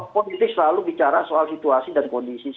politik selalu bicara soal situasi dan kondisi